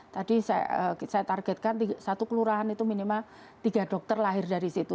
tadi saya targetkan satu kelurahan itu minimal tiga dokter lahir dari situ